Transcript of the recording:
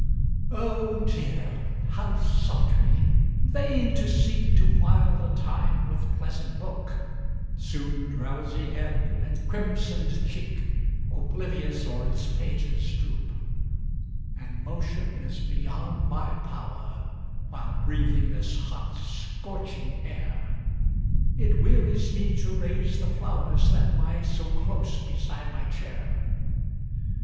Oh dear! how sultry! vain to seek To while the time with pleasant book, Soon drowsy head and crimsoned cheek Oblivious o'er its pages droop And motion is beyond my power, While breathing this hot, scorching air, It wearies me to raise the flowers, That lie so close beside my chair.